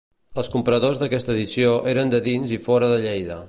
Els compradors d'aquesta edició eren de dins i fora de Lleida.